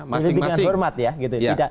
berhenti dengan hormat ya